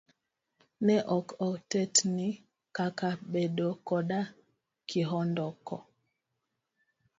Ne ok otetni kaka bedo koda kihondko.